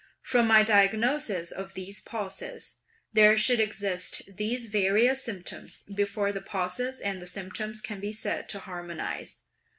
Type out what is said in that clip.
From my diagnosis of these pulses, there should exist these various symptoms, before (the pulses and the symptoms can be said) to harmonise.